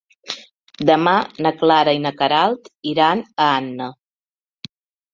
Demà na Clara i na Queralt iran a Anna.